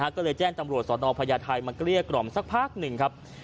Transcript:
ก็เลยแจ้งตำรวจสนพญาไทยมาเกลี้ยกล่อมสักพักหนึ่งครับ